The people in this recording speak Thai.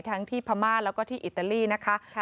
ทั้งที่พม่าแล้วก็ที่อิตาลีนะคะ